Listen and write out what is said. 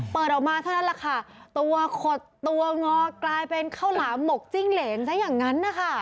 เปิดออกมาเท่านั้นแหละค่ะตัวขดตัวงอกลายเป็นข้าวหลามหมกจิ้งเหรนซะอย่างนั้นนะคะ